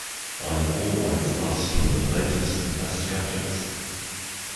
I always lust for the latest and best gadgets.